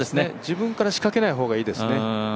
自分から仕掛けない方がいいですね。